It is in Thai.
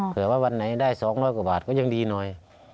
เผื่อว่าวันไหนได้๒๐๐กว่าบาทก็ยังดีหน่อย